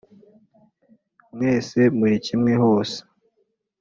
mwese muri kimwe hose